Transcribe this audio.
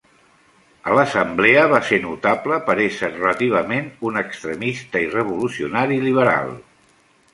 A l'Assemblea, va ser notable per ésser relativament un extremista i revolucionari liberal.